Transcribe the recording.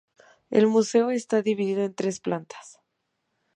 El museo está dividido en tres plantas.